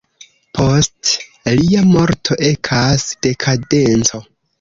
Post lia morto ekas dekadenco.